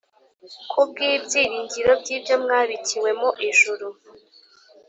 ku bw’ibyiringiro by’ibyo mwabikiwe mu ijuru